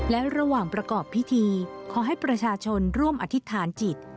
และระหว่างประกอบพิธีขอให้ประชาชนร่วมอธิษฐานจิต